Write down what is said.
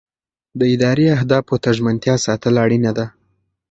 د ادارې اهدافو ته ژمنتیا ساتل اړینه ده.